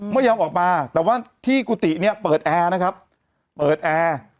ไม่ยอมออกมาแต่ว่าที่กุฏิเนี่ยเปิดแอร์นะครับเปิดแอร์